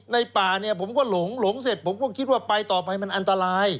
ป่าเนี่ยผมก็หลงหลงเสร็จผมก็คิดว่าไปต่อไปมันอันตราย